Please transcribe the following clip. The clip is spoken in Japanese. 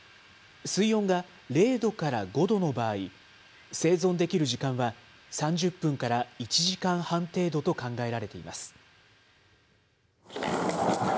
水温が０度から５度の場合、生存できる時間は、３０分から１時間半程度と考えられています。